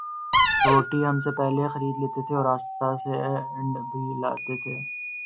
روٹی ہم نے سے پہل خرید لیں تھیں اور راستہ سےانڈ بھی ل تھے